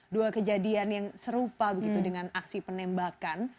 dua kejadian yang serupa begitu dengan aksi penembakan